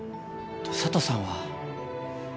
佐都さんは？